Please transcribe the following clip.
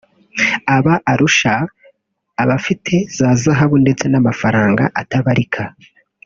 aba arusha abafite za zahabu ndetse n’amafaranga atabarika